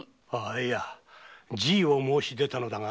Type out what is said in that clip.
いや辞意を申し出たのだが。